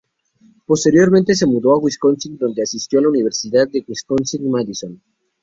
Posteriormente se mudó a Wisconsin, donde asistió a la Universidad de Wisconsin-Madison.